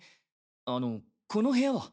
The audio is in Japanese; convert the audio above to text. あのこの部屋は？